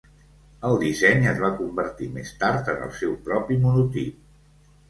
El disseny es va convertir més tard en el seu propi monotip.